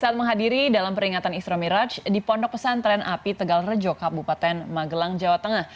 saat menghadiri dalam peringatan isra miraj di pondok pesantren api tegal rejo kabupaten magelang jawa tengah